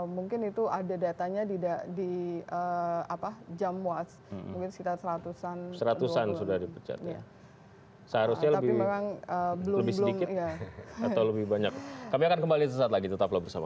mungkin itu ada datanya di jam was